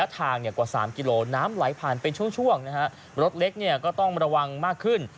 ทางเนี่ยกว่าสามกิโลน้ำไหลผ่านเป็นช่วงช่วงนะฮะรถเล็กเนี่ยก็ต้องระวังมากขึ้น